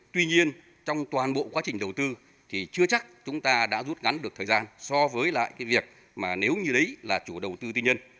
tuy nhiên trong toàn bộ quá trình đầu tư thì chưa chắc chúng ta đã rút ngắn được thời gian so với lại cái việc mà nếu như đấy là chủ đầu tư tư nhân